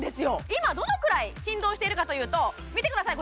今どのくらい振動しているかというと見てください